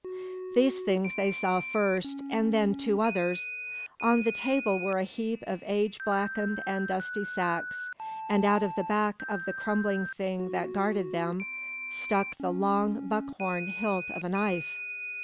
These things they saw first, and then two others: on the table were a heap of age blackened and dusty sacks, and out of the back of the crumbling thing that guarded them stuck the long buckhorn hilt of a knife.